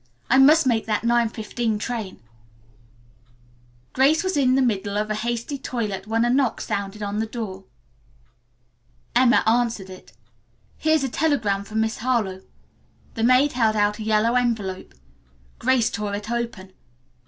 I must make that 9.15 train." Grace was in the middle of a hasty toilet when a knock sounded on the door. Emma answered it. "Here's a telegram for Miss Harlowe." The maid held out a yellow envelope. Grace tore it open.